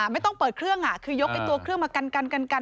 ไม่ต้องเปิดเครื่องคือยกตัวเครื่องมากัน